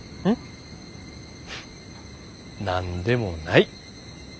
何でもない。